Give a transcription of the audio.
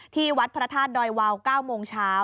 ที่วัดพระธาตุดอยวาว๙โมงเช้า